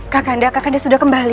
kakak anda kakak dia sudah kembali